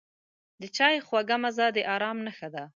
د چای خوږه مزه د آرام نښه ده.